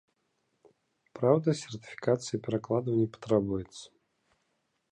Праўда, сертыфікацыя перакладаў не патрабуецца.